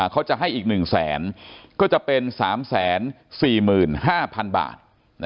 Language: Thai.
เขาจะให้อีก๑แสนก็จะเป็น๓๔๕๐๐๐บาท